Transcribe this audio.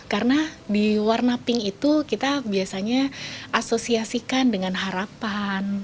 karena di warna pink itu kita biasanya asosiasikan dengan harapan